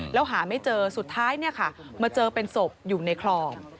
แล้วหาไม่เจอสุดท้ายมาเจอเป็นศพอยู่ในคลอง